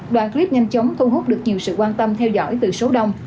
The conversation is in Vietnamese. đoạn clip nhanh chóng thu hút được nhiều sự quan tâm theo dõi từ số đông